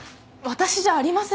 私じゃありません。